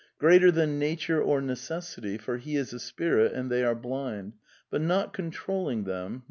Greater than Nature or Necessity, for he is a spirit and they are blind, but not controlling them.